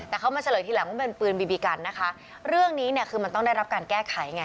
แต่เขามาเฉลยทีหลังว่าเป็นปืนบีบีกันนะคะเรื่องนี้เนี่ยคือมันต้องได้รับการแก้ไขไง